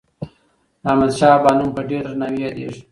د احمدشاه بابا نوم په ډېر درناوي یادیږي.